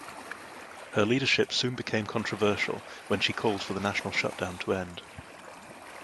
Her leadership soon became controversial when she called for the national shutdown to end.